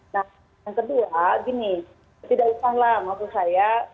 nah yang kedua gini tidak usahlah maksud saya